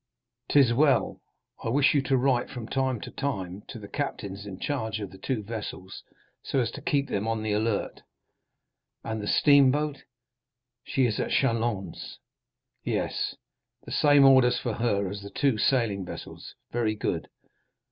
"'Tis well. I wish you to write from time to time to the captains in charge of the two vessels so as to keep them on the alert." "And the steamboat?" "She is at Châlons?" "Yes." "The same orders for her as for the two sailing vessels." "Very good."